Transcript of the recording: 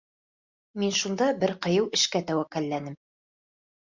Мин шунда бер ҡыйыу эшкә тәүәккәлләнем.